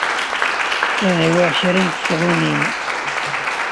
Ad awiɣ kra n tesɣunin.